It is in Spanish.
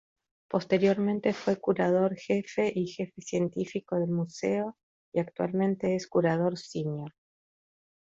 Posteriormente fue Curador jefe y jefe Científico del Museo y actualmente es Curador Senior.